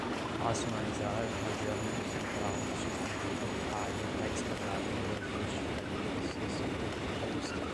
Racionalizar, radiano, central, subtendido, raio, raiz quadrada, reajuste, tarifas, recíproco, redução